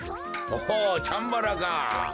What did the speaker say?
おおチャンバラか。